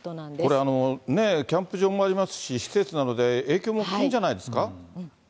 これ、キャンプ場もありますし、施設などで影響も大きいんじゃないですか。